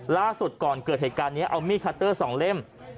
ล่าสุดก่อนเกิดเหตุการณ์นี้เอามีดคัตเตอร์๒เล่ม